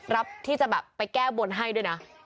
รับที่จะแบบไปแก้บนให้ด้วยนะ